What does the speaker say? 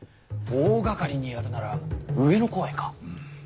大がかりにやるなら上野公園か。